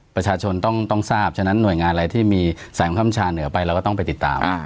ประชาชนต้องทราบฉะนั้นหน่วยงานอะไรที่มีแสงค่ำชาเหนือไปเราก็ต้องไปติดตาม